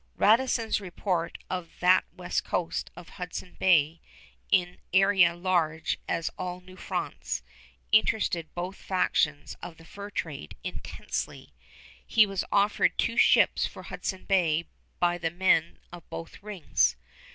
Radisson's report of that west coast of Hudson Bay, in area large as all New France, interested both factions of the fur trade intensely. He was offered two ships for Hudson Bay by the men of both rings.